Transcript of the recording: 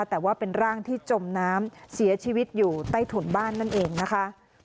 แต่ว่าเป็นร่างที่จมน้ำเสียชีวิตอยู่ใต้ถุนบ้านนั่นเองนะคะ